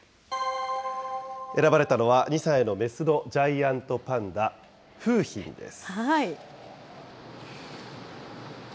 選ばれたのは２歳の雌のジャイアントパンダ、楓浜です。